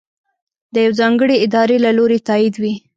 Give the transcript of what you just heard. د یوې ځانګړې ادارې له لورې تائید وي.